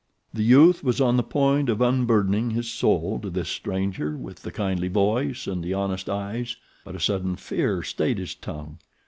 The youth was on the point of unburdening his soul to this stranger with the kindly voice and the honest eyes; but a sudden fear stayed his tongue.